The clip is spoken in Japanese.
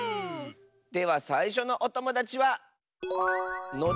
ではさいしょのおともだちは。